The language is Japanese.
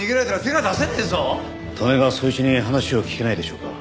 利根川宗一に話を聞けないでしょうか。